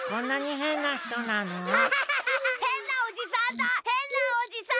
へんなおじさん！